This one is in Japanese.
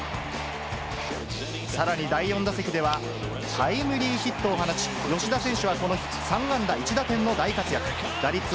さらに第４打席では、タイムリーヒットを放ち、吉田選手はこの日、３安打１打点の大活躍。